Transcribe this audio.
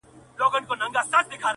د هر تورى لړم سو ، شپه خوره سوه خدايه،